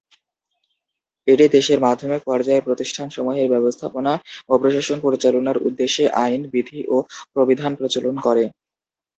এটি দেশের মাধ্যমিক পর্যায়ের প্রতিষ্ঠান সমূহের ব্যবস্থাপনা ও প্রশাসন পরিচালনার উদ্দেশ্যে আইন, বিধি ও প্রবিধান প্রচলন করে।